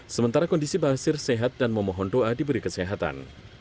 sementara kondisi basir sehat dan memohon doa diberi kesehatan